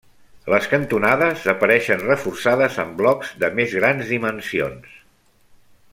Les cantonades apareixen reforçades amb blocs de més grans dimensions.